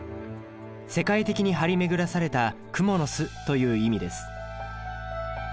「世界的にはりめぐらされたクモの巣」という意味です。